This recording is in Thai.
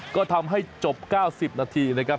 ก็ทำให้จบเก้าสิบนาทีนะครับ